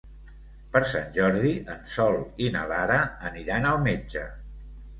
Per Sant Jordi en Sol i na Lara aniran al metge.